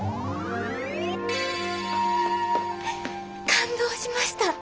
感動しました。